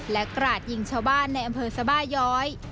และกราดยิงชาวบ้านในอำเภอสบาย้อย